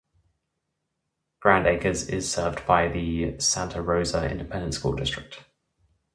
Grand Acres is served by the Santa Rosa Independent School District.